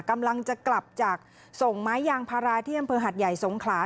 กำลังจะกลับจากส่งไม้ยางพาราที่อำเภอหัดใหญ่สงขลา